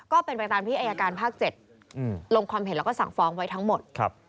ก็เป็นไปตามที่อายการภาค๗ลงความเห็นแล้วก็สั่งฟ้องไว้ทั้งหมด